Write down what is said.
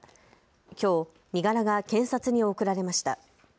きょう身柄が検察に送られました。